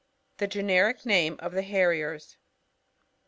The generic name of the Harriers.